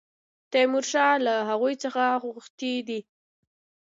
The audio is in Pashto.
تیمورشاه له هغوی څخه غوښتي دي.